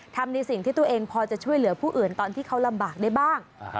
ทำในสิ่งที่ตัวเองพอจะช่วยเหลือผู้อื่นตอนที่เขาลำบากได้บ้าง